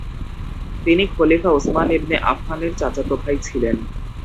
তিনি খলিফা উসমান ইবনে আফফানের চাচাত ভাই ছিলেন।